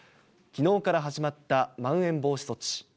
きのうから始まったまん延防止措置。